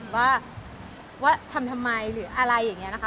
ว่าทำทำไมหรืออะไรอย่างนี้นะคะ